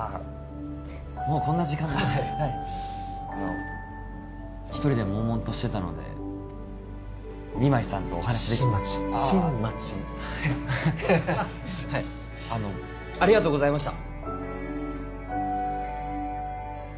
もうこんな時間だあの１人でもんもんとしてたのでニイマチさんとお話でき新町新町あのありがとうございました